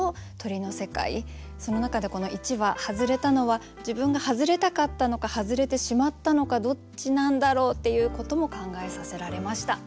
その中でこの一羽はづれたのは自分がはづれたかったのかはづれてしまったのかどっちなんだろう？っていうことも考えさせられました。